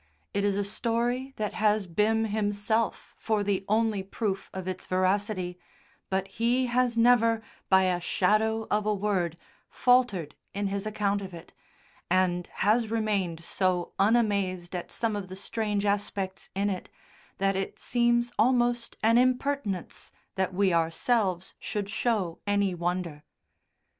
It is a story that has Bim himself for the only proof of its veracity, but he has never, by a shadow of a word, faltered in his account of it, and has remained so unamazed at some of the strange aspects in it that it seems almost an impertinence that we ourselves should show any wonder.